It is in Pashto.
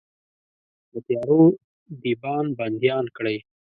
د تیارو دیبان بنديان کړئ